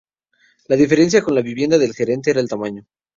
La diferencia con la vivienda del gerente era el tamaño.